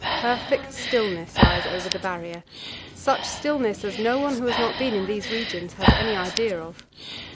Perfect stillness lies over the Barrier such stillness as no one who has not been in these regions has any idea of.